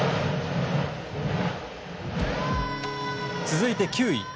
続いて、９位。